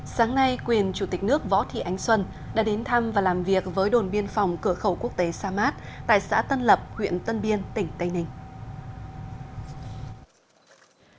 sáng nay quyền chủ tịch nước võ thị ánh xuân đã đến thăm và làm việc với đồn biên phòng cửa khẩu quốc tế sa mát tại xã tân lập huyện tân biên tỉnh tây ninh